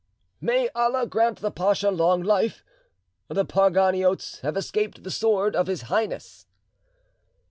"May Allah grant the pacha long life! The Parganiotes have escaped the sword of His Highness."